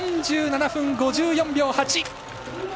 ３７分５４秒８。